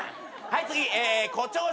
はい次。